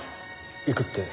行くって？